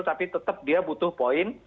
tapi tetap dia butuh poin